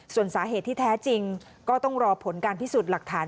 ส่วนสาเหตุที่แท้จริงก็ต้องรอผลการพิสูจน์หลักฐาน